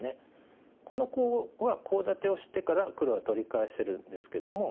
このコウはコウ立てをしてから黒は取り返せるんですけども。